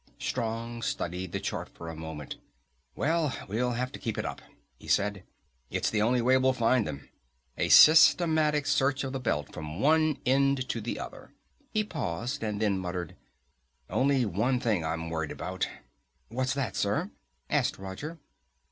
Strong studied the chart a moment. "Well, we'll have to keep it up," he said. "It's the only way we'll find them. A systematic search of the belt from end one to the other." He paused and then muttered, "Only one thing I'm worried about." "What's that, sir?" asked Roger.